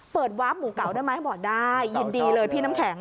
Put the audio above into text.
วาร์ฟหมูเก่าได้ไหมบอกได้ยินดีเลยพี่น้ำแข็ง